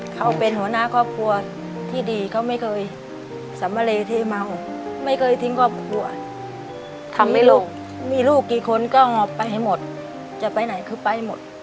เขาเป็นหัวหน้าครอบครัวที่ดี